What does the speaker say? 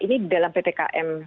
ini dalam ptkm